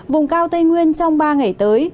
vùng cao tây nguyên trong ba ngày tới